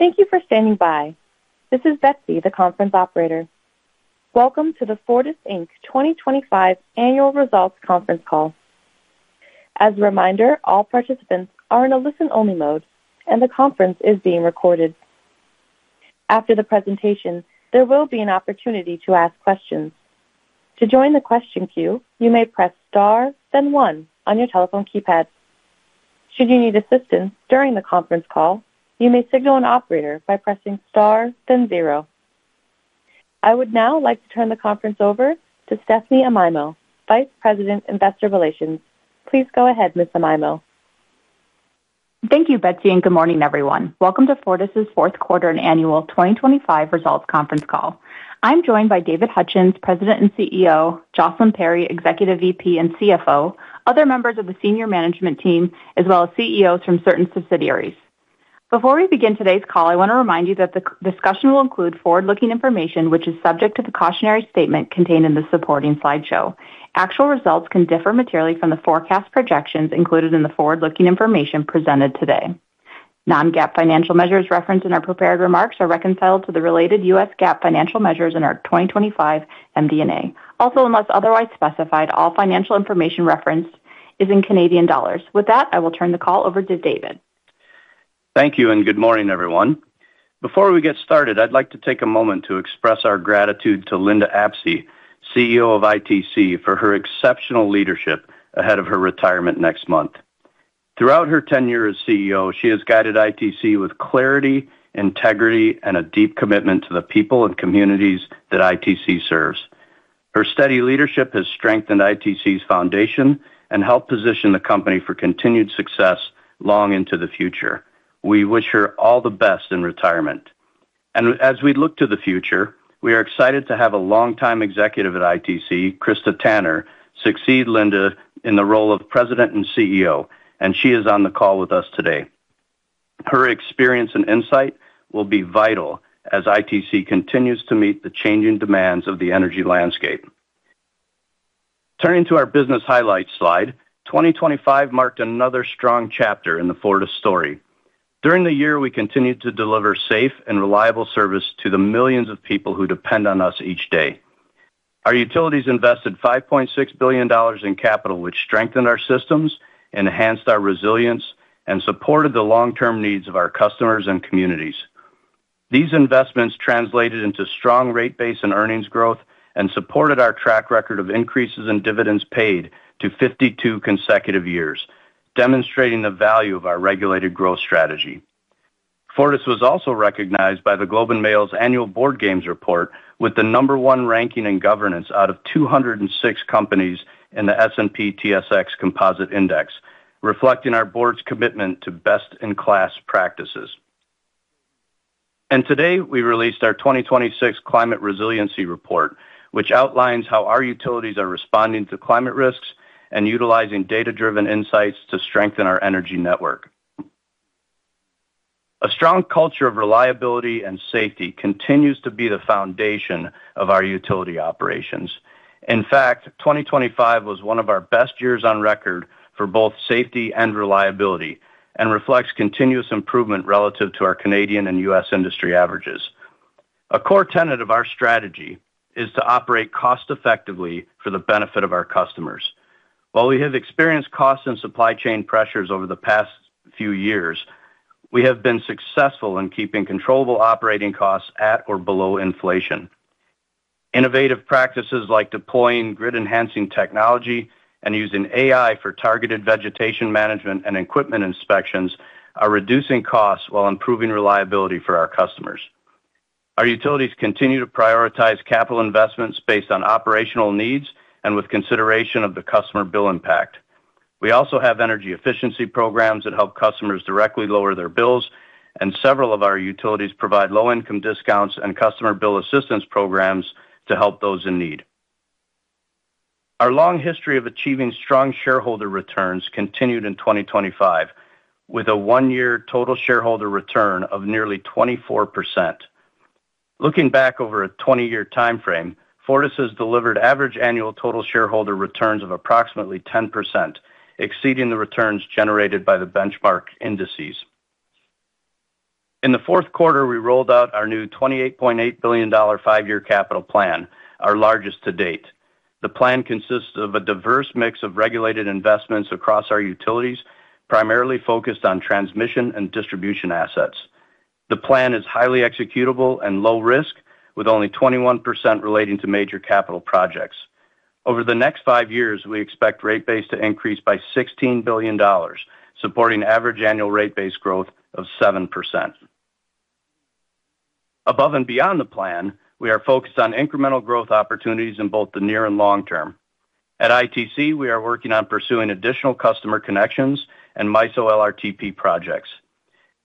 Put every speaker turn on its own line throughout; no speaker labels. Thank you for standing by. This is Betsy, the conference operator. Welcome to the Fortis Inc. 2025 Annual Results Conference Call. As a reminder, all participants are in a listen-only mode, and the conference is being recorded. After the presentation, there will be an opportunity to ask questions. To join the question queue, you may press star, then one on your telephone keypad. Should you need assistance during the conference call, you may signal an operator by pressing star, then zero. I would now like to turn the conference over to Stephanie Amaimo, Vice President, Investor Relations. Please go ahead, Ms. Amaimo.
Thank you, Betsy, and good morning, everyone. Welcome to Fortis' fourth quarter and annual 2025 results conference call. I'm joined by David Hutchens, President and CEO, Jocelyn Perry, Executive VP and CFO, other members of the senior management team, as well as CEOs from certain subsidiaries. Before we begin today's call, I want to remind you that the discussion will include forward-looking information, which is subject to the cautionary statement contained in the supporting slideshow. Actual results can differ materially from the forecast projections included in the forward-looking information presented today. Non-GAAP financial measures referenced in our prepared remarks are reconciled to the related US GAAP financial measures in our 2025 MD&A. Also, unless otherwise specified, all financial information referenced is in Canadian dollars. With that, I will turn the call over to David.
Thank you, and good morning, everyone. Before we get started, I'd like to take a moment to express our gratitude to Linda Apsey, CEO of ITC, for her exceptional leadership ahead of her retirement next month. Throughout her tenure as CEO, she has guided ITC with clarity, integrity, and a deep commitment to the people and communities that ITC serves. Her steady leadership has strengthened ITC's foundation and helped position the company for continued success long into the future. We wish her all the best in retirement. And as we look to the future, we are excited to have a longtime executive at ITC, Krista Tanner, succeed Linda in the role of President and CEO, and she is on the call with us today. Her experience and insight will be vital as ITC continues to meet the changing demands of the energy landscape. Turning to our business highlights slide, 2025 marked another strong chapter in the Fortis story. During the year, we continued to deliver safe and reliable service to the millions of people who depend on us each day. Our utilities invested 5.6 billion dollars in capital, which strengthened our systems, enhanced our resilience, and supported the long-term needs of our customers and communities. These investments translated into strong rate base and earnings growth and supported our track record of increases in dividends paid to 52 consecutive years, demonstrating the value of our regulated growth strategy. Fortis was also recognized by The Globe and Mail's annual Board Games report, with the number one ranking in governance out of 206 companies in the S&P/TSX Composite Index, reflecting our board's commitment to best-in-class practices. Today, we released our 2026 Climate Resiliency Report, which outlines how our utilities are responding to climate risks and utilizing data-driven insights to strengthen our energy network. A strong culture of reliability and safety continues to be the foundation of our utility operations. In fact, 2025 was one of our best years on record for both safety and reliability and reflects continuous improvement relative to our Canadian and U.S. industry averages. A core tenet of our strategy is to operate cost-effectively for the benefit of our customers. While we have experienced cost and supply chain pressures over the past few years, we have been successful in keeping controllable operating costs at or below inflation. Innovative practices like deploying grid-enhancing technology and using AI for targeted vegetation management and equipment inspections are reducing costs while improving reliability for our customers. Our utilities continue to prioritize capital investments based on operational needs and with consideration of the customer bill impact. We also have energy efficiency programs that help customers directly lower their bills, and several of our utilities provide low-income discounts and customer bill assistance programs to help those in need. Our long history of achieving strong shareholder returns continued in 2025, with a one-year total shareholder return of nearly 24%. Looking back over a 20-year time frame, Fortis has delivered average annual total shareholder returns of approximately 10%, exceeding the returns generated by the benchmark indices. In the fourth quarter, we rolled out our new 28.8 billion dollar five-year capital plan, our largest to date. The plan consists of a diverse mix of regulated investments across our utilities, primarily focused on transmission and distribution assets. The plan is highly executable and low risk, with only 21% relating to major capital projects. Over the next five years, we expect rate base to increase by 16 billion dollars, supporting average annual rate base growth of 7%. Above and beyond the plan, we are focused on incremental growth opportunities in both the near and long term. At ITC, we are working on pursuing additional customer connections and MISO LRTP projects.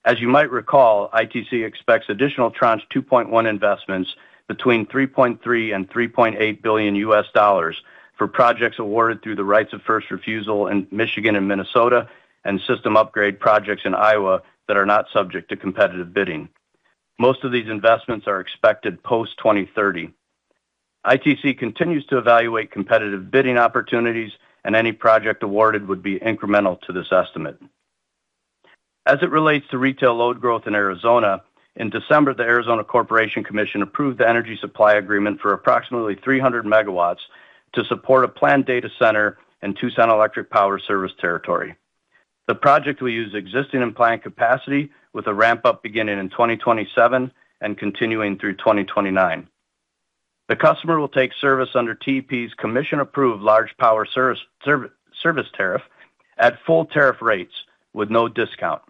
As you might recall, ITC expects additional tranche 2.1 investments between $3.3 billion-$3.8 billion for projects awarded through the rights of first refusal in Michigan and Minnesota, and system upgrade projects in Iowa that are not subject to competitive bidding. Most of these investments are expected post-2030. ITC continues to evaluate competitive bidding opportunities, and any project awarded would be incremental to this estimate. As it relates to retail load growth in Arizona, in December, the Arizona Corporation Commission approved the energy supply agreement for approximately 300 MW to support a planned data center in Tucson Electric Power service territory. The project will use existing and planned capacity with a ramp-up beginning in 2027 and continuing through 2029. The customer will take service under TEP's Commission-approved Large Power Service, service tariff at full tariff rates with no discount.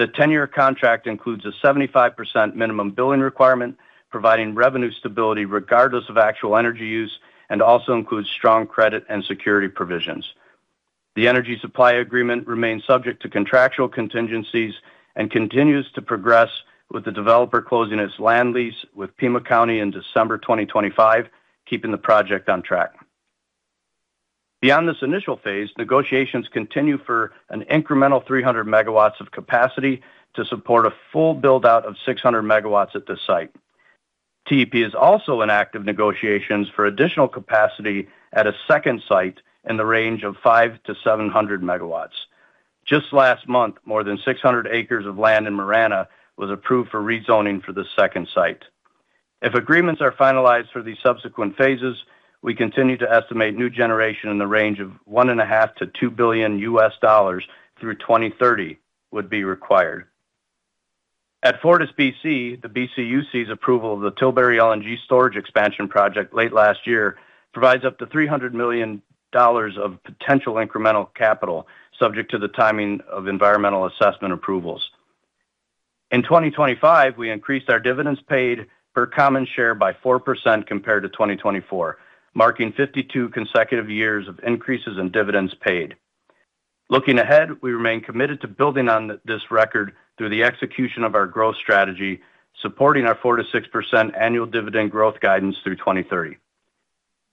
The 10-year contract includes a 75% minimum billing requirement, providing revenue stability regardless of actual energy use, and also includes strong credit and security provisions. The energy supply agreement remains subject to contractual contingencies and continues to progress, with the developer closing its land lease with Pima County in December 2025, keeping the project on track. Beyond this initial phase, negotiations continue for an incremental 300 megawatts of capacity to support a full build-out of 600 megawatts at this site. TEP is also in active negotiations for additional capacity at a second site in the range of 500-700 megawatts. Just last month, more than 600 acres of land in Marana was approved for rezoning for the second site. If agreements are finalized for these subsequent phases, we continue to estimate new generation in the range of $1.5 billion-$2 billion through 2030 would be required. At FortisBC, the BCUC's approval of the Tilbury LNG storage expansion project late last year provides up to $300 million of potential incremental capital, subject to the timing of environmental assessment approvals. In 2025, we increased our dividends paid per common share by 4% compared to 2024, marking 52 consecutive years of increases in dividends paid. Looking ahead, we remain committed to building on this record through the execution of our growth strategy, supporting our 4%-6% annual dividend growth guidance through 2030.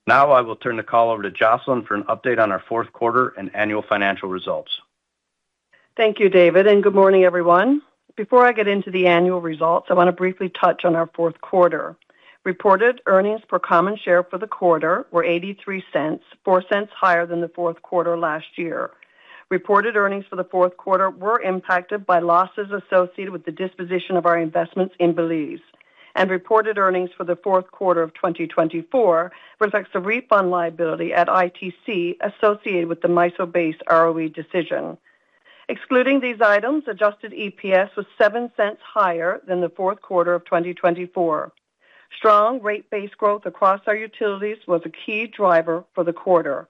Now I will turn the call over to Jocelyn for an update on our fourth quarter and annual financial results.
Thank you, David, and good morning, everyone. Before I get into the annual results, I want to briefly touch on our fourth quarter. Reported earnings per common share for the quarter were 0.83, 0.04 higher than the fourth quarter last year. Reported earnings for the fourth quarter were impacted by losses associated with the disposition of our investments in Belize, and reported earnings for the fourth quarter of 2024 reflects a refund liability at ITC associated with the MISO-based ROE decision. Excluding these items, Adjusted EPS was 0.07 higher than the fourth quarter of 2024. Strong rate base growth across our utilities was a key driver for the quarter.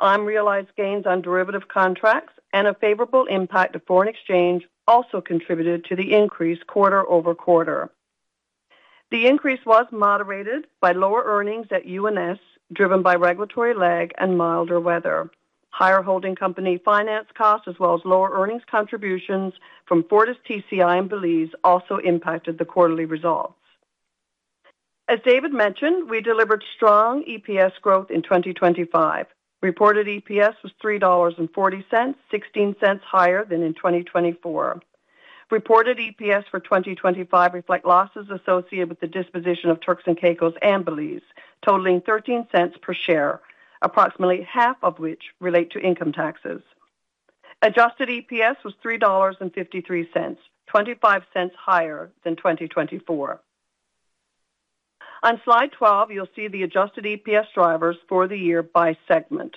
Unrealized gains on derivative contracts and a favorable impact of foreign exchange also contributed to the increase quarter-over-quarter. The increase was moderated by lower earnings at UNS, driven by regulatory lag and milder weather. Higher holding company finance costs, as well as lower earnings contributions from FortisTCI and Belize, also impacted the quarterly results. As David mentioned, we delivered strong EPS growth in 2025. Reported EPS was 3.40 dollars, 16 cents higher than in 2024. Reported EPS for 2025 reflect losses associated with the disposition of Turks and Caicos and Belize, totaling 13 cents per share, approximately half of which relate to income taxes. Adjusted EPS was 3.53 dollars, 25 cents higher than 2024. On slide 12, you'll see the Adjusted EPS drivers for the year by segment.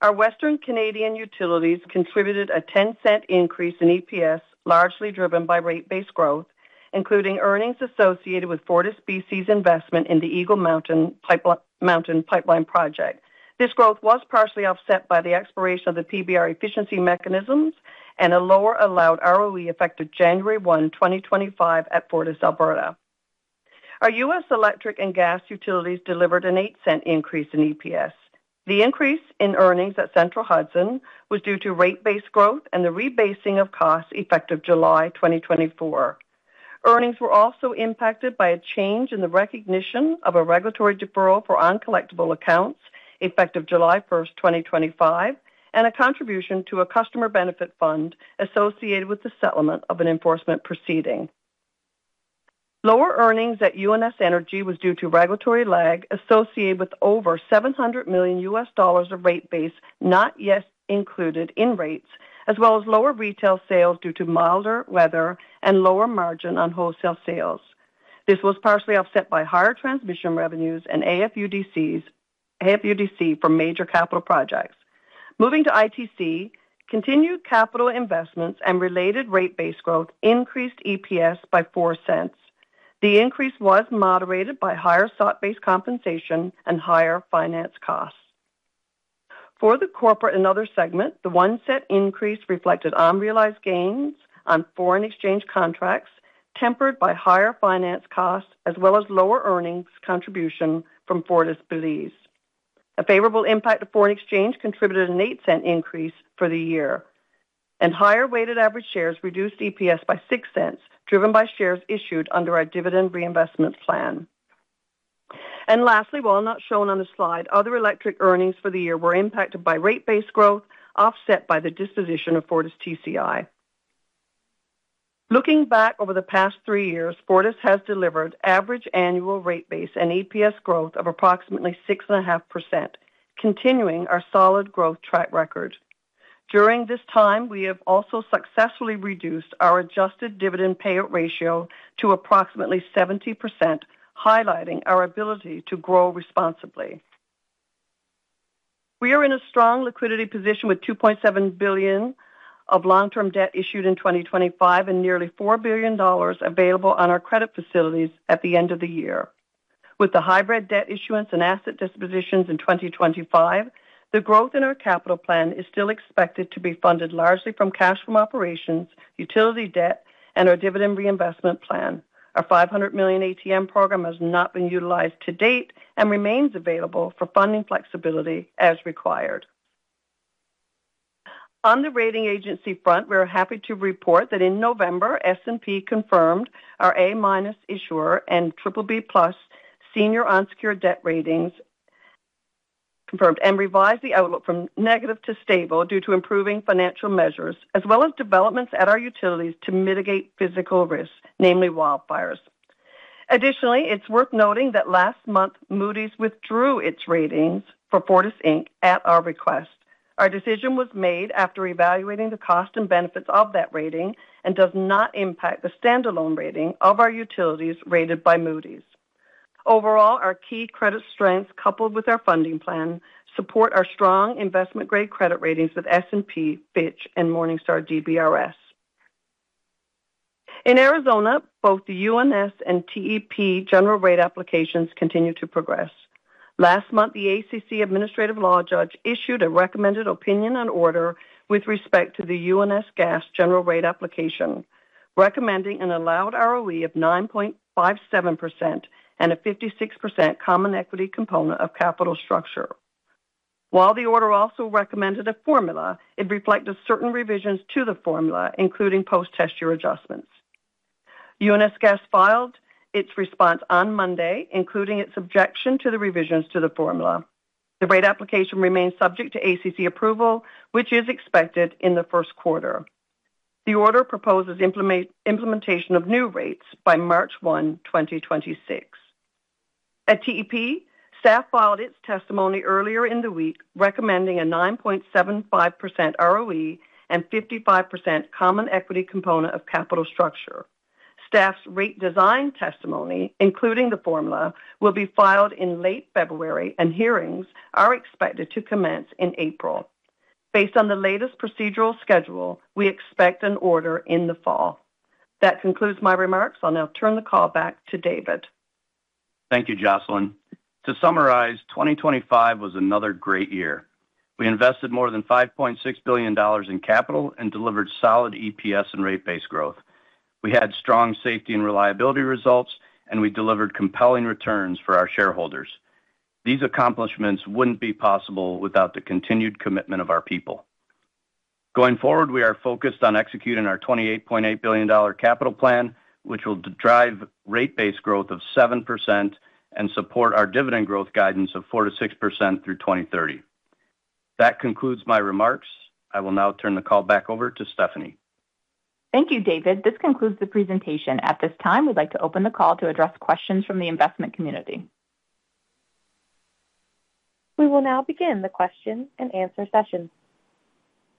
Our Western Canadian utilities contributed a 10 cent increase in EPS, largely driven by rate base growth, including earnings associated with FortisBC's investment in the Eagle Mountain Pipeline Project. This growth was partially offset by the expiration of the PBR efficiency mechanisms and a lower allowed ROE, effective January 1, 2025, at FortisAlberta. Our U.S. electric and gas utilities delivered an eight-cent increase in EPS. The increase in earnings at Central Hudson was due to rate base growth and the rebasing of costs, effective July 2024. Earnings were also impacted by a change in the recognition of a regulatory deferral for uncollectible accounts, effective July 1, 2025, and a contribution to a customer benefit fund associated with the settlement of an enforcement proceeding. Lower earnings at UNS Energy was due to regulatory lag associated with over $700 million of rate base, not yet included in rates, as well as lower retail sales due to milder weather and lower margin on wholesale sales. This was partially offset by higher transmission revenues and AFUDC from major capital projects. Moving to ITC, continued capital investments and related rate base growth increased EPS by 0.04. The increase was moderated by higher stock-based compensation and higher finance costs. For the corporate and other segment, the 0.01 increase reflected unrealized gains on foreign exchange contracts, tempered by higher finance costs, as well as lower earnings contribution from Fortis Belize. A favorable impact of foreign exchange contributed an 0.08 increase for the year, and higher weighted average shares reduced EPS by 0.06, driven by shares issued under our dividend reinvestment plan. Lastly, while not shown on the slide, other electric earnings for the year were impacted by rate base growth, offset by the disposition of FortisTCI. Looking back over the past 3 years, Fortis has delivered average annual rate base and EPS growth of approximately 6.5%, continuing our solid growth track record. During this time, we have also successfully reduced our adjusted dividend payout ratio to approximately 70%, highlighting our ability to grow responsibly. We are in a strong liquidity position, with 2.7 billion of long-term debt issued in 2025 and nearly 4 billion dollars available on our credit facilities at the end of the year. With the hybrid debt issuance and asset dispositions in 2025, the growth in our capital plan is still expected to be funded largely from cash from operations, utility debt, and our dividend reinvestment plan. Our 500 million ATM program has not been utilized to date and remains available for funding flexibility as required. On the rating agency front, we are happy to report that in November, S&P confirmed our A- issuer and BBB+ senior unsecured debt ratings confirmed, and revised the outlook from negative to stable due to improving financial measures as well as developments at our utilities to mitigate physical risks, namely wildfires. Additionally, it's worth noting that last month, Moody's withdrew its ratings for Fortis Inc. at our request. Our decision was made after evaluating the cost and benefits of that rating and does not impact the standalone rating of our utilities rated by Moody's. Overall, our key credit strengths, coupled with our funding plan, support our strong investment-grade credit ratings with S&P, Fitch, and Morningstar DBRS. In Arizona, both the UNS and TEP general rate applications continue to progress. Last month, the ACC Administrative Law Judge issued a Recommended Opinion and Order with respect to the UNS Gas general rate application, recommending an allowed ROE of 9.57% and a 56% common equity component of capital structure. While the order also recommended a formula, it reflected certain revisions to the formula, including post-test year adjustments. UNS Gas filed its response on Monday, including its objection to the revisions to the formula. The rate application remains subject to ACC approval, which is expected in the first quarter. The order proposes implementation of new rates by March 1, 2026. At TEP, staff filed its testimony earlier in the week, recommending a 9.75% ROE and 55% common equity component of capital structure. Staff's rate design testimony, including the formula, will be filed in late February, and hearings are expected to commence in April. Based on the latest procedural schedule, we expect an order in the fall. That concludes my remarks. I'll now turn the call back to David.
Thank you, Jocelyn. To summarize, 2025 was another great year. We invested more than 5.6 billion dollars in capital and delivered solid EPS and rate base growth. We had strong safety and reliability results, and we delivered compelling returns for our shareholders. These accomplishments wouldn't be possible without the continued commitment of our people. Going forward, we are focused on executing our 28.8 billion dollar capital plan, which will drive rate base growth of 7% and support our dividend growth guidance of 4%-6% through 2030. That concludes my remarks. I will now turn the call back over to Stephanie.
Thank you, David. This concludes the presentation. At this time, we'd like to open the call to address questions from the investment community. We will now begin the question and answer session.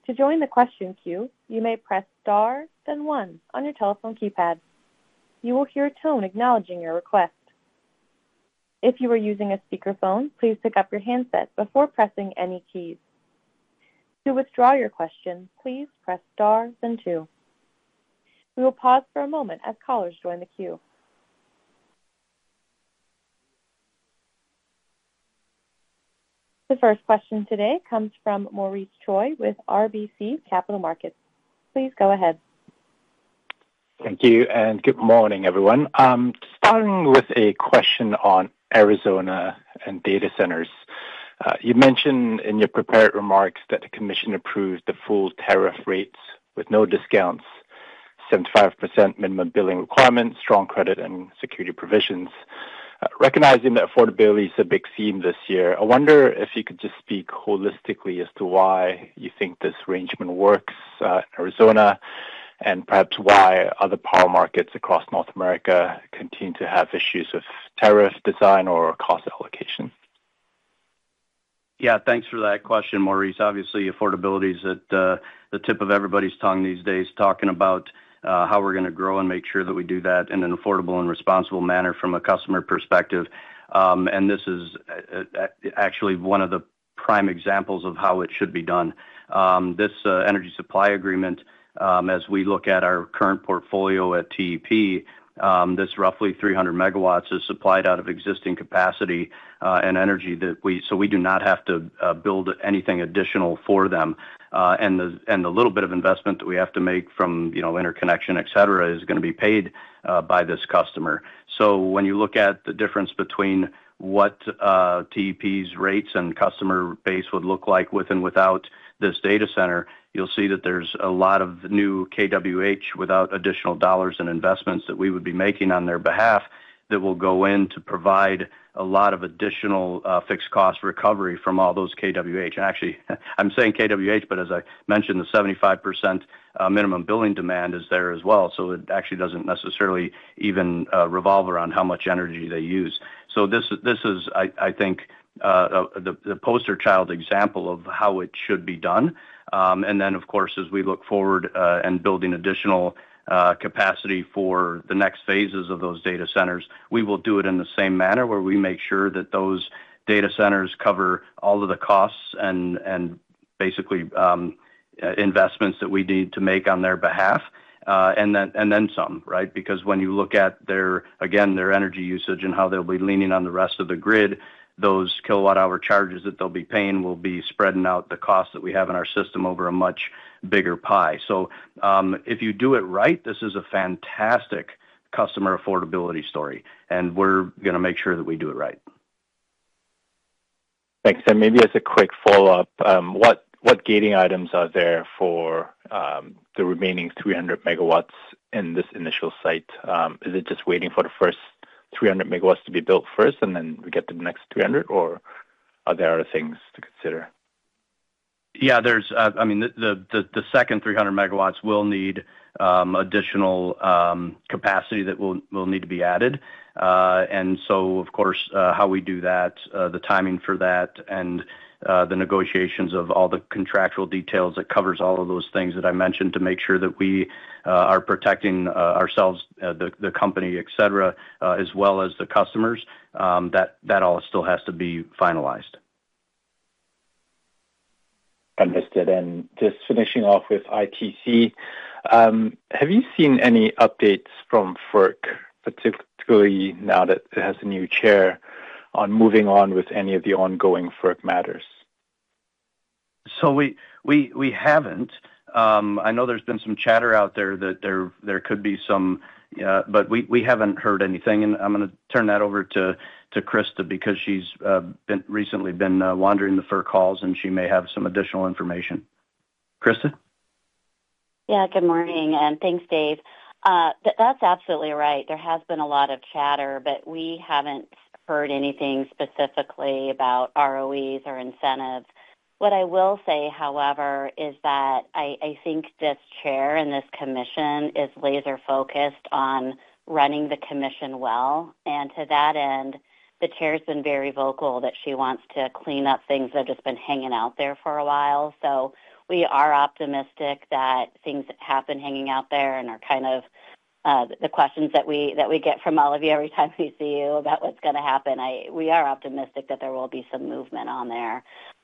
To join the question queue, you may press Star, then one on your telephone keypad. You will hear a tone acknowledging your request. If you are using a speakerphone, please pick up your handset before pressing any keys. To withdraw your question, please press Star, then two. We will pause for a moment as callers join the queue. The first question today comes from Maurice Choy with RBC Capital Markets. Please go ahead.
Thank you, and good morning, everyone. Starting with a question on Arizona and data centers. You mentioned in your prepared remarks that the commission approved the full tariff rates with no discounts, 75% minimum billing requirements, strong credit and security provisions. Recognizing that affordability is a big theme this year, I wonder if you could just speak holistically as to why you think this arrangement works, in Arizona, and perhaps why other power markets across North America continue to have issues of tariff design or cost allocation.
Yeah, thanks for that question, Maurice. Obviously, affordability is at the tip of everybody's tongue these days, talking about how we're going to grow and make sure that we do that in an affordable and responsible manner from a customer perspective. And this is actually one of the prime examples of how it should be done. This energy supply agreement, as we look at our current portfolio at TEP, this roughly 300 MW is supplied out of existing capacity and energy that we so we do not have to build anything additional for them. And the little bit of investment that we have to make from, you know, interconnection, et cetera, is going to be paid by this customer. So when you look at the difference between what, TEP's rates and customer base would look like with and without this data center, you'll see that there's a lot of new kWh without additional dollars in investments that we would be making on their behalf... that will go into provide a lot of additional, fixed cost recovery from all those kWh. Actually, I'm saying kWh, but as I mentioned, the 75% minimum billing demand is there as well, so it actually doesn't necessarily even revolve around how much energy they use. So this is, this is, I, I think, the, the poster child example of how it should be done. And then, of course, as we look forward, and building additional capacity for the next phases of those data centers, we will do it in the same manner, where we make sure that those data centers cover all of the costs and basically investments that we need to make on their behalf, and then, and then some, right? Because when you look at their, again, their energy usage and how they'll be leaning on the rest of the grid, those kilowatt-hour charges that they'll be paying will be spreading out the cost that we have in our system over a much bigger pie. So, if you do it right, this is a fantastic customer affordability story, and we're going to make sure that we do it right.
Thanks. Maybe as a quick follow-up, what, what gating items are there for the remaining 300 MW in this initial site? Is it just waiting for the first 300 MW to be built first, and then we get the next 300, or are there other things to consider?
Yeah, there's... I mean, the second 300 megawatts will need additional capacity that will need to be added. And so, of course, how we do that, the timing for that and the negotiations of all the contractual details that covers all of those things that I mentioned to make sure that we are protecting ourselves, the company, et cetera, as well as the customers, that all still has to be finalized.
Understood. And just finishing off with ITC, have you seen any updates from FERC, particularly now that it has a new chair, on moving on with any of the ongoing FERC matters?
So we haven't. I know there's been some chatter out there that there could be some, but we haven't heard anything. And I'm going to turn that over to Krista, because she's recently been wandering the FERC calls, and she may have some additional information. Krista?
Yeah, good morning, and thanks, Dave. That's absolutely right. There has been a lot of chatter, but we haven't heard anything specifically about ROEs or incentives. What I will say, however, is that I think this chair and this commission is laser-focused on running the commission well. And to that end, the chair's been very vocal that she wants to clean up things that have just been hanging out there for a while. So we are optimistic that things that have been hanging out there and are kind of the questions that we get from all of you every time we see you about what's going to happen. We are optimistic that there will be some movement on there.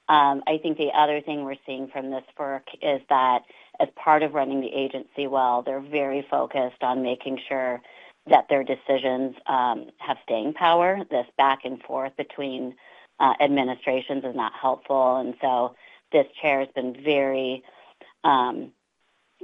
I think the other thing we're seeing from this FERC is that as part of running the agency well, they're very focused on making sure that their decisions have staying power. This back and forth between administrations is not helpful, and so this chair has been very,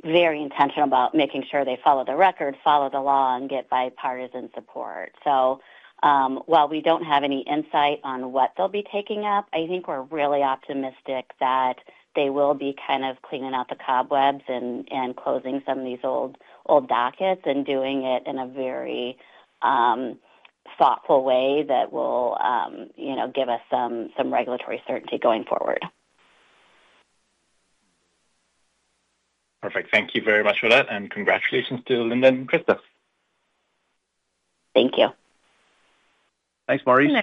very intentional about making sure they follow the record, follow the law, and get bipartisan support. So, while we don't have any insight on what they'll be taking up, I think we're really optimistic that they will be kind of cleaning out the cobwebs and closing some of these old dockets and doing it in a very, thoughtful way that will, you know, give us some regulatory certainty going forward.
Perfect. Thank you very much for that, and congratulations to Linda and Krista.
Thank you.
Thanks, Maurice.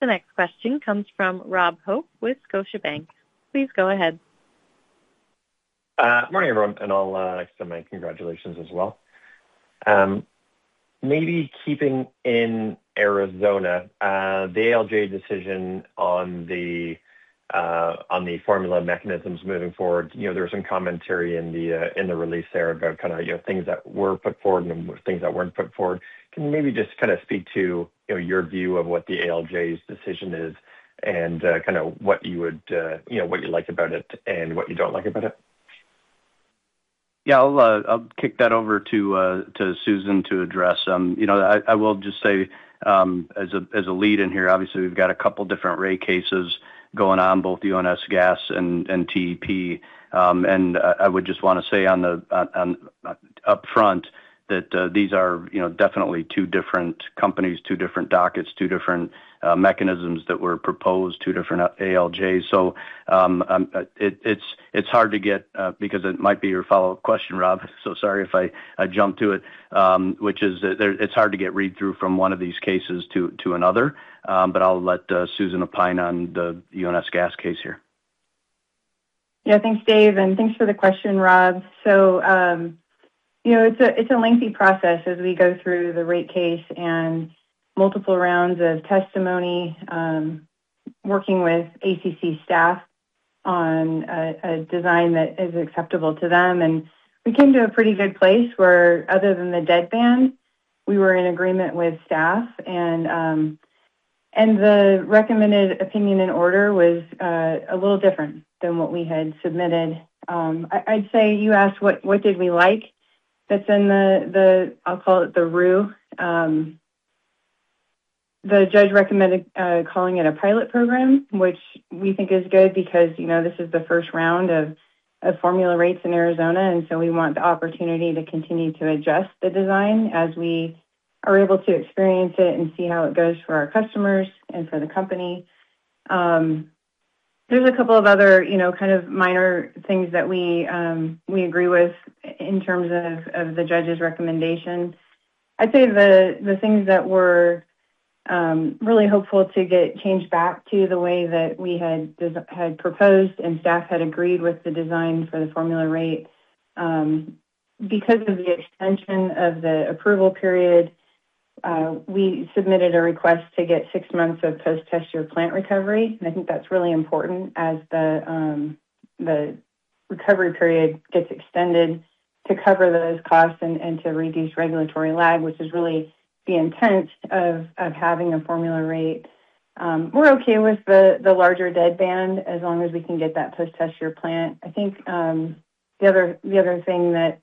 The next question comes from Rob Hope with Scotiabank. Please go ahead.
Morning, everyone, and I'll extend my congratulations as well. Maybe keeping in Arizona, the ALJ decision on the formula mechanisms moving forward, you know, there was some commentary in the release there about kind of, you know, things that were put forward and things that weren't put forward. Can you maybe just kind of speak to, you know, your view of what the ALJ's decision is and kind of what you would, you know, what you like about it and what you don't like about it?
Yeah, I'll kick that over to Susan to address. You know, I will just say, as a lead in here, obviously, we've got a couple different rate cases going on, both UNS Gas and TEP. And I would just want to say on the upfront, that these are, you know, definitely two different companies, two different dockets, two different mechanisms that were proposed, two different ALJs. So, it's hard to get, because it might be your follow-up question, Rob, so sorry if I jumped to it. Which is that it's hard to get read through from one of these cases to another. But I'll let Susan opine on the UNS Gas case here.
Yeah. Thanks, Dave, and thanks for the question, Rob. So, you know, it's a lengthy process as we go through the rate case and multiple rounds of testimony, working with ACC staff on a design that is acceptable to them. And we came to a pretty good place where other than the deadband, we were in agreement with staff and, and the recommended opinion and order was a little different than what we had submitted. I'd say you asked what did we like that's in the—I'll call it the ROO. ...The judge recommended calling it a pilot program, which we think is good because, you know, this is the first round of formula rates in Arizona, and so we want the opportunity to continue to adjust the design as we are able to experience it and see how it goes for our customers and for the company. There's a couple of other, you know, kind of minor things that we agree with in terms of the judge's recommendation. I'd say the things that we're really hopeful to get changed back to the way that we had proposed and staff had agreed with the design for the formula rate. Because of the extension of the approval period, we submitted a request to get six months of post-test year plant recovery, and I think that's really important as the recovery period gets extended to cover those costs and to reduce regulatory lag, which is really the intent of having a formula rate. We're okay with the larger deadband as long as we can get that post-test year plant. I think the other thing that,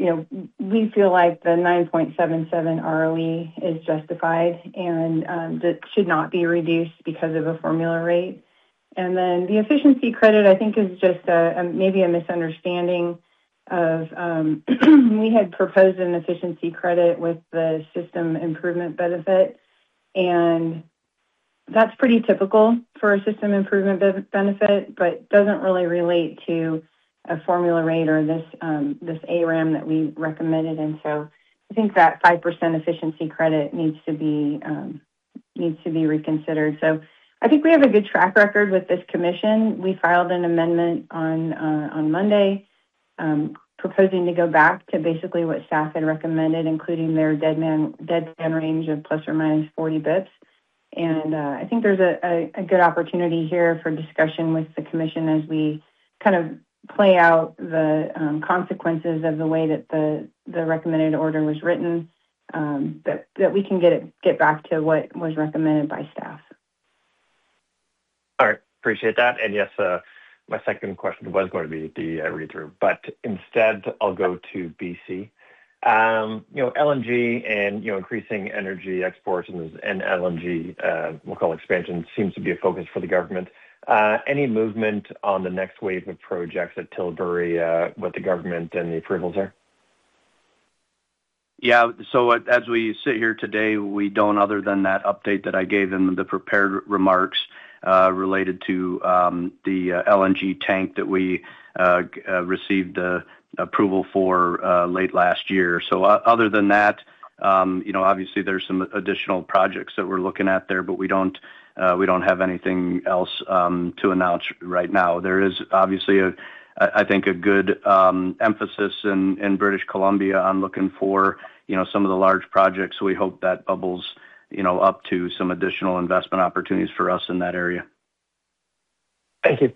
you know, we feel like the 9.77 ROE is justified, and that should not be reduced because of a formula rate. And then the efficiency credit, I think, is just a maybe a misunderstanding of we had proposed an efficiency credit with the System Improvement Benefit, and that's pretty typical for a System Improvement Benefit, but doesn't really relate to a formula rate or this this RAM that we recommended. And so I think that 5% efficiency credit needs to be needs to be reconsidered. So I think we have a good track record with this commission. We filed an amendment on on Monday proposing to go back to basically what staff had recommended, including their deadband range of ±40 basis points. I think there's a good opportunity here for discussion with the commission as we kind of play out the consequences of the way that the recommended order was written, that we can get back to what was recommended by staff.
All right. Appreciate that. Yes, my second question was going to be the read-through, but instead I'll go to B.C. You know, LNG and, you know, increasing energy exports and LNG, local expansion seems to be a focus for the government. Any movement on the next wave of projects at Tilbury, with the government and the approvals there?
Yeah. So as we sit here today, we don't other than that update that I gave in the prepared remarks, related to the LNG tank that we received the approval for, late last year. So other than that, you know, obviously there's some additional projects that we're looking at there, but we don't, we don't have anything else, to announce right now. There is obviously a, I think, a good emphasis in British Columbia on looking for, you know, some of the large projects. We hope that bubbles, you know, up to some additional investment opportunities for us in that area.
Thank you.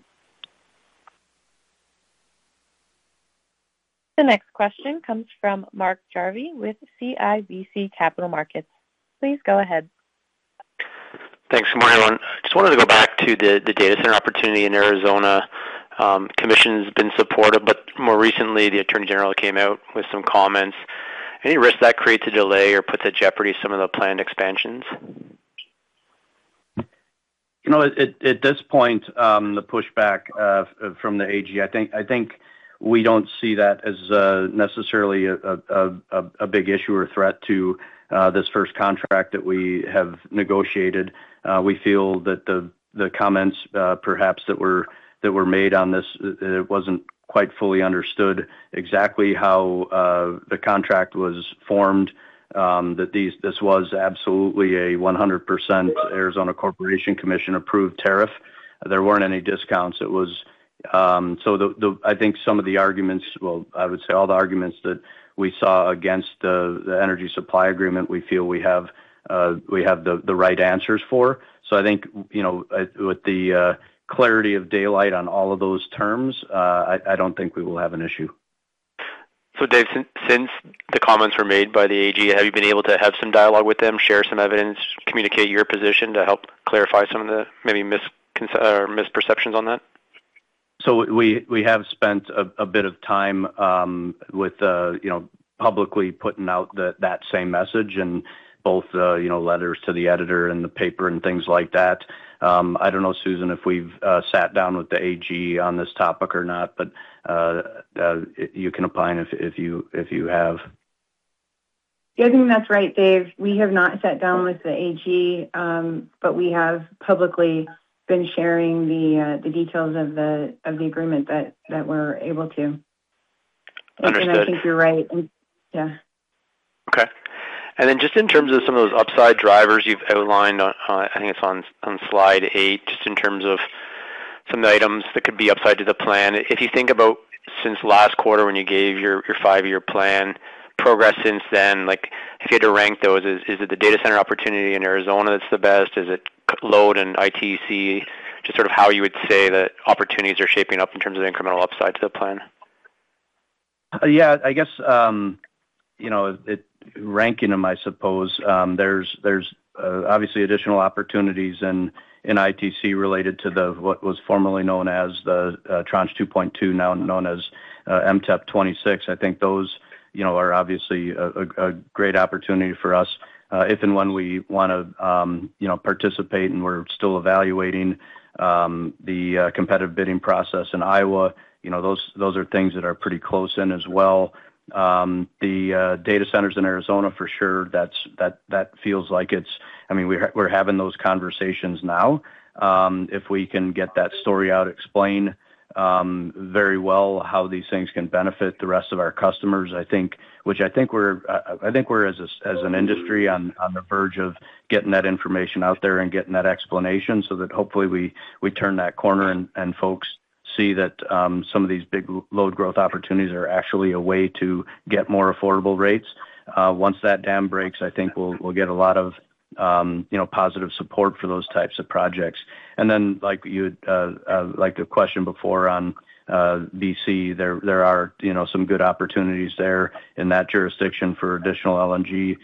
The next question comes from Mark Jarvi with CIBC Capital Markets. Please go ahead.
Thanks. Good morning, everyone. I just wanted to go back to the data center opportunity in Arizona. Commission's been supportive, but more recently, the attorney general came out with some comments. Any risk that creates a delay or puts at jeopardy some of the planned expansions?
You know, at this point, the pushback from the AG, I think, I think we don't see that as necessarily a big issue or threat to this first contract that we have negotiated. We feel that the comments perhaps that were made on this, it wasn't quite fully understood exactly how the contract was formed, that these—this was absolutely a 100% Arizona Corporation Commission approved tariff. There weren't any discounts. It was... So the—I think some of the arguments, well, I would say all the arguments that we saw against the energy supply agreement, we feel we have the right answers for. I think, you know, with the clarity of daylight on all of those terms, I don't think we will have an issue.
So, Dave, since the comments were made by the AG, have you been able to have some dialogue with them, share some evidence, communicate your position to help clarify some of the maybe misconceptions or misperceptions on that?
So we have spent a bit of time with you know publicly putting out that same message in both you know letters to the editor and the paper and things like that. I don't know, Susan, if we've sat down with the AG on this topic or not, but you can opine if you have.
Yeah, I think that's right, Dave. We have not sat down with the AG, but we have publicly been sharing the details of the agreement that we're able to.
Understood.
And I think you're right. Yeah.
Okay. And then just in terms of some of those upside drivers you've outlined on, I think it's on slide 8, just in terms of some of the items that could be upside to the plan. If you think about since last quarter when you gave your 5-year plan progress since then, like, if you had to rank those, is it the data center opportunity in Arizona that's the best? Is it load and ITC? Just sort of how you would say the opportunities are shaping up in terms of the incremental upside to the plan....
Yeah, I guess, you know, it, ranking them, I suppose, there's, there's, obviously additional opportunities in, in ITC related to the, what was formerly known as the, Tranche 2.2, now known as, MTEP26. I think those, you know, are obviously a, a, a great opportunity for us, if and when we want to, you know, participate, and we're still evaluating, the, competitive bidding process in Iowa. You know, those, those are things that are pretty close in as well. The, data centers in Arizona, for sure, that's-- that, that feels like it's-- I mean, we're, we're having those conversations now. If we can get that story out, explain very well how these things can benefit the rest of our customers, I think, which I think we're, I think we're, as an industry, on the verge of getting that information out there and getting that explanation so that hopefully we turn that corner and folks see that some of these big load growth opportunities are actually a way to get more affordable rates. Once that dam breaks, I think we'll get a lot of you know, positive support for those types of projects. And then, like, you, like the question before on, BC, there, there are, you know, some good opportunities there in that jurisdiction for additional LNG,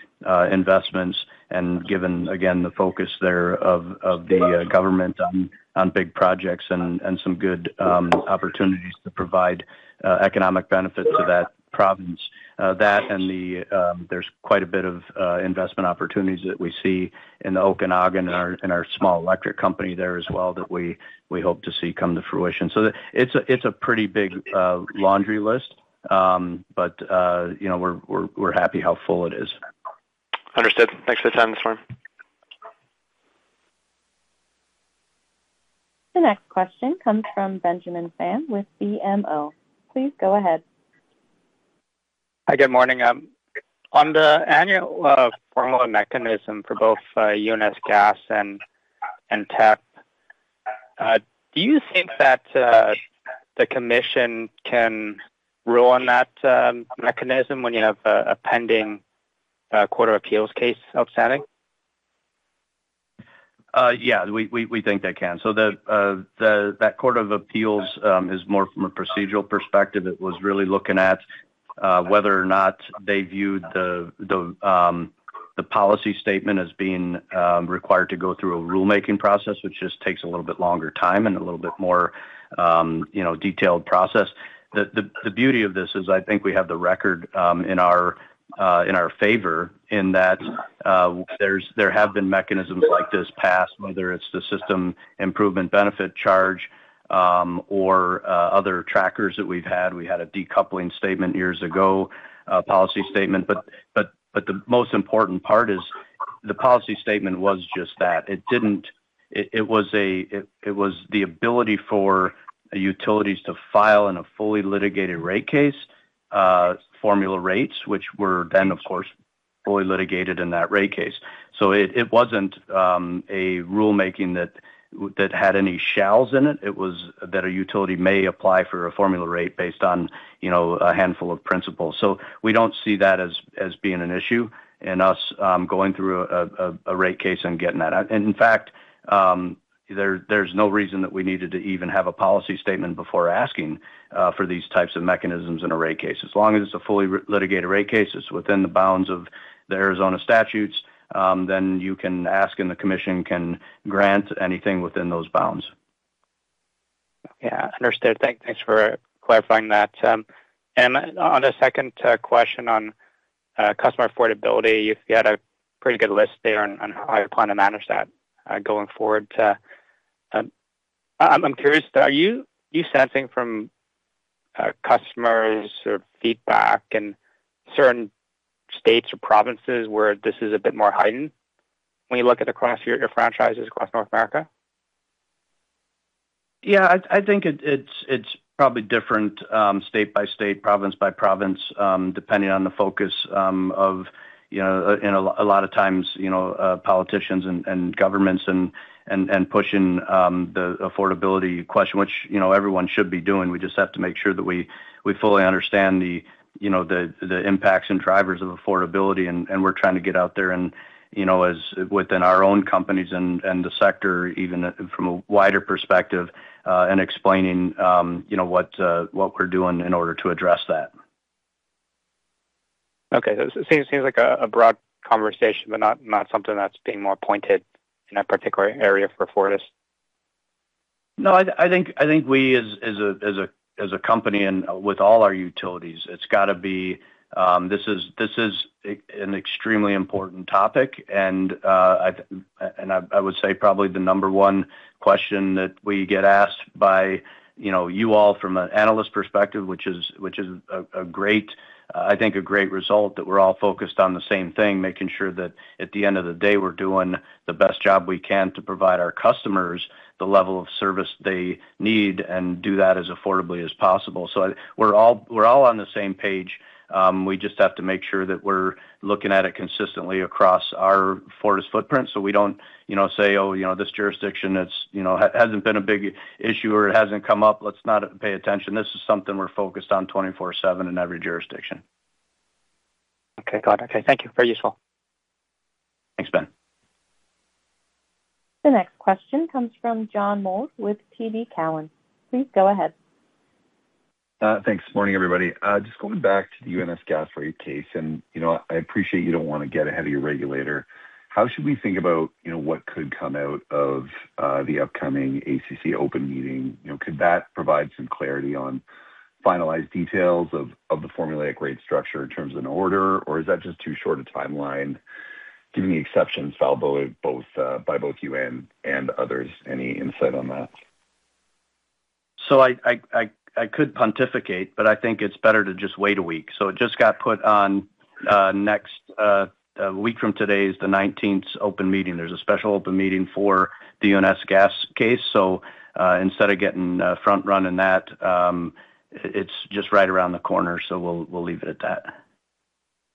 investments, and given, again, the focus there of, of the, government on, on big projects and, and some good, opportunities to provide, economic benefit to that province. That and the, there's quite a bit of, investment opportunities that we see in the Okanagan, in our, in our small electric company there as well, that we, we hope to see come to fruition. So it's a, it's a pretty big, laundry list, but, you know, we're, we're, we're happy how full it is.
Understood. Thanks for the time this morning.
The next question comes from Ben Pham with BMO. Please go ahead.
Hi, good morning. On the annual formula mechanism for both UNS Gas and TEP, do you think that the commission can rule on that mechanism when you have a pending Court of Appeals case outstanding?
Yeah, we think they can. So the that Court of Appeals is more from a procedural perspective. It was really looking at whether or not they viewed the policy statement as being required to go through a rulemaking process, which just takes a little bit longer time and a little bit more, you know, detailed process. The beauty of this is I think we have the record in our favor, in that there's there have been mechanisms like this passed, whether it's the System Improvement Benefit charge or other trackers that we've had. We had a decoupling statement years ago, policy statement. But the most important part is the policy statement was just that. It was the ability for utilities to file, in a fully litigated rate case, formula rates, which were then, of course, fully litigated in that rate case. So it wasn't a rulemaking that had any shalls in it. It was that a utility may apply for a formula rate based on, you know, a handful of principles. So we don't see that as being an issue, and us going through a rate case and getting that. And in fact, there's no reason that we needed to even have a policy statement before asking for these types of mechanisms in a rate case. As long as it's a fully litigated rate case, it's within the bounds of the Arizona statutes, then you can ask, and the commission can grant anything within those bounds.
Yeah, understood. Thanks for clarifying that. And on a second question on customer affordability, you've got a pretty good list there on how you plan to manage that going forward. I'm curious, are you sensing from customers or feedback in certain states or provinces where this is a bit more heightened when you look across your franchises across North America?
Yeah, I think it's probably different, state by state, province by province, depending on the focus of, you know... And a lot of times, you know, politicians and governments and pushing the affordability question, which, you know, everyone should be doing. We just have to make sure that we fully understand you know, the impacts and drivers of affordability, and we're trying to get out there and, you know, as within our own companies and the sector, even from a wider perspective, and explaining, you know, what we're doing in order to address that.
Okay. So it seems like a broad conversation, but not something that's being more pointed in that particular area for Fortis?
No, I think we as a company and with all our utilities, it's got to be, this is an extremely important topic, and I would say probably the number one question that we get asked by, you know, you all from an analyst perspective, which is a great, I think a great result, that we're all focused on the same thing, making sure that at the end of the day, we're doing the best job we can to provide our customers the level of service they need and do that as affordably as possible. So we're all on the same page. We just have to make sure that we're looking at it consistently across our Fortis footprint, so we don't, you know, say: Oh, you know, this jurisdiction, it's, you know, hasn't been a big issue or it hasn't come up, let's not pay attention. This is something we're focused on 24/7 in every jurisdiction.
Okay, got it. Okay, thank you. Very useful.
Thanks, Ben.
The next question comes from John Mould with TD Cowen. Please go ahead.
Thanks. Morning, everybody. Just going back to the UNS Gas rate case, and, you know, I appreciate you don't want to get ahead of your regulator. How should we think about, you know, what could come out of the upcoming ACC open meeting? You know, could that provide some clarity on finalized details of the formulaic rate structure in terms of an order, or is that just too short a timeline, given the exceptions filed by both you and others? Any insight on that?
I could pontificate, but I think it's better to just wait a week. So it just got put on next. A week from today is the 19th open meeting. There's a special open meeting for the UNS Gas case. So, instead of getting front run in that, it's just right around the corner, so we'll leave it at that.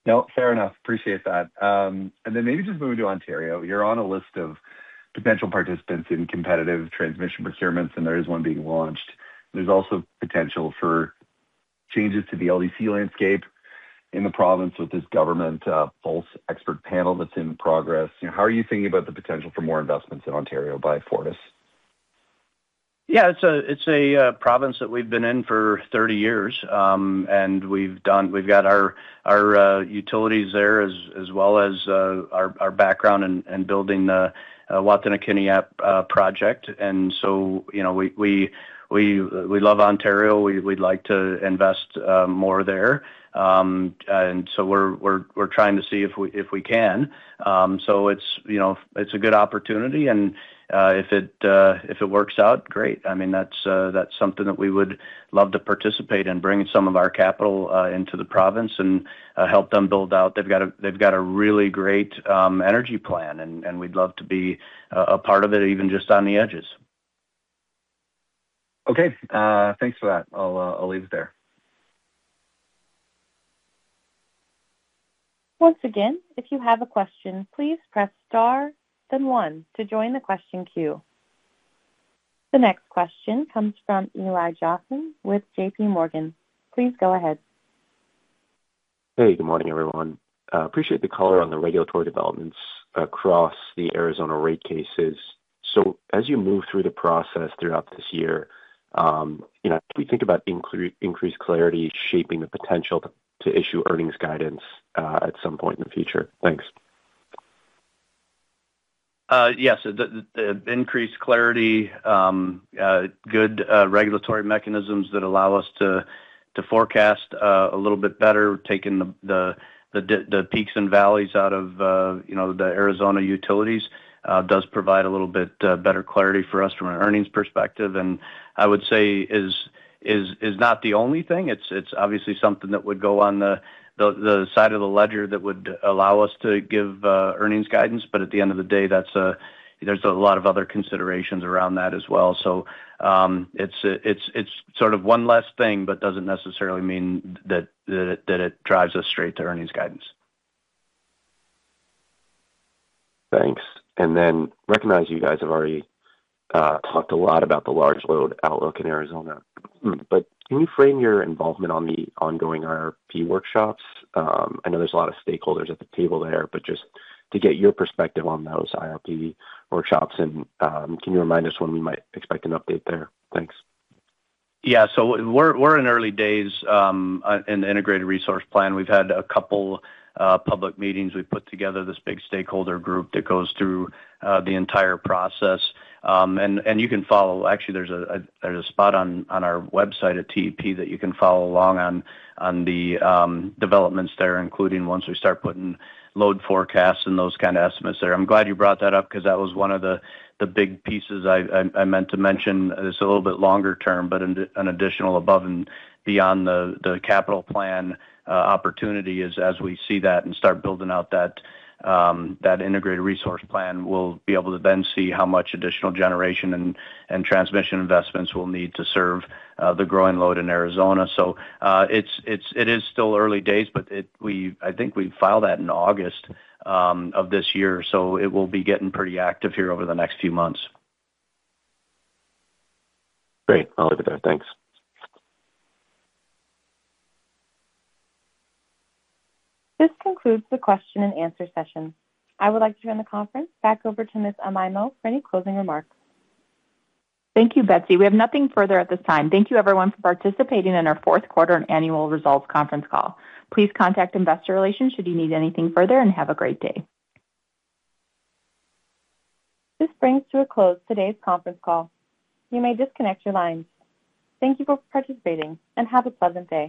No, fair enough. Appreciate that. And then maybe just moving to Ontario, you're on a list of potential participants in competitive transmission procurements, and there is one being launched. There's also potential for changes to the LDC landscape in the province with this government, policy expert panel that's in progress. How are you thinking about the potential for more investments in Ontario by Fortis?
Yeah, it's a province that we've been in for 30 years. And we've done—we've got our utilities there, as well as our background in building the Wataynikaneyap project. And so, you know, we love Ontario. We'd like to invest more there. And so we're trying to see if we can. So it's, you know, it's a good opportunity and if it works out, great. I mean, that's something that we would love to participate in, bringing some of our capital into the province and help them build out. They've got a really great energy plan, and we'd love to be a part of it, even just on the edges.
Okay. Thanks for that. I'll leave it there.
Once again, if you have a question, please press Star then one to join the question queue. The next question comes from Eli Johnson with JP Morgan. Please go ahead.
Hey, good morning, everyone. Appreciate the color on the regulatory developments across the Arizona rate cases. So as you move through the process throughout this year, you know, can we think about increased clarity shaping the potential to issue earnings guidance, at some point in the future? Thanks.
Yes, the increased clarity, good regulatory mechanisms that allow us to forecast a little bit better, taking the peaks and valleys out of, you know, the Arizona utilities, does provide a little bit better clarity for us from an earnings perspective. And I would say is not the only thing. It's obviously something that would go on the side of the ledger that would allow us to give earnings guidance. But at the end of the day, that's, there's a lot of other considerations around that as well. So, it's sort of one last thing, but doesn't necessarily mean that it drives us straight to earnings guidance.
Thanks. And then recognize you guys have already talked a lot about the large load outlook in Arizona. But can you frame your involvement on the ongoing IRP workshops? I know there's a lot of stakeholders at the table there, but just to get your perspective on those IRP workshops, and can you remind us when we might expect an update there? Thanks.
Yeah. So we're in early days in the integrated resource plan. We've had a couple public meetings. We've put together this big stakeholder group that goes through the entire process. And you can follow. Actually, there's a spot on our website at TEP that you can follow along on the developments there, including once we start putting load forecasts and those kind of estimates there. I'm glad you brought that up because that was one of the big pieces I meant to mention. It's a little bit longer term, but an additional above and beyond the capital plan, opportunity is as we see that and start building out that integrated resource plan, we'll be able to then see how much additional generation and transmission investments we'll need to serve the growing load in Arizona. So, it's, it is still early days, but it, we, I think we filed that in August of this year, so it will be getting pretty active here over the next few months.
Great. I'll leave it there. Thanks.
This concludes the question and answer session. I would like to turn the conference back over to Ms. Amaimo for any closing remarks.
Thank you, Betsy. We have nothing further at this time. Thank you, everyone, for participating in our fourth quarter and annual results conference call. Please contact Investor Relations should you need anything further, and have a great day.
This brings to a close today's conference call. You may disconnect your lines. Thank you for participating, and have a pleasant day.